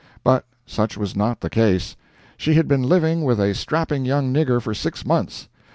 But such was not the case. She had been living with a strapping young nigger for six months!